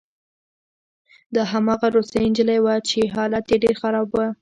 دا هماغه روسۍ نجلۍ وه چې حالت یې ډېر خراب و